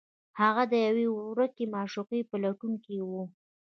هغه د یوې ورکې معشوقې په لټون کې و